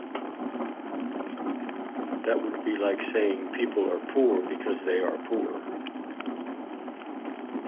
That would be like saying, "People are poor because they are poor".